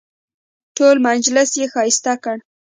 ټول مجلس یې ښایسته کړ.